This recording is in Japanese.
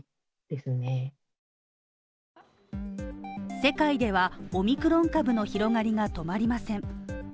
世界ではオミクロン株の広がりが止まりません。